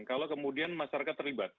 kalau kemudian masyarakat terlibat